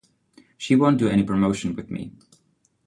She won't do any promotion with me.